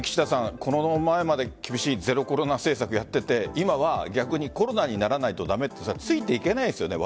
この前まで厳しいゼロコロナ政策をやっていて今はコロナにならないと駄目とついていけないですよね。